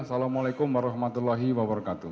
assalamualaikum warahmatullahi wabarakatuh